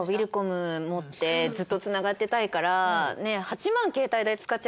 ずっと繋がっていたいから。